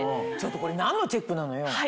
ちょっとこれ何のチェックなのよ。